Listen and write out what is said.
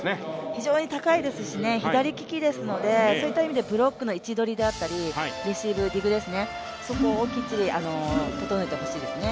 非常に高いですし、左利きですのでそういった意味でブロックの位置取りだったり、レシーブディグですね、そこをきっちり整えてほしいですね。